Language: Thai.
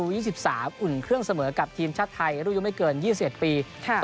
อุ่นเครื่องเสมอกับทีมชาติไทยรุ่นอายุไม่เกิน๒๑ปี